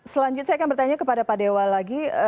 selanjutnya saya akan bertanya kepada pak dewa lagi